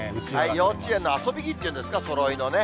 幼稚園の遊び着っていうんですか、そろいのね。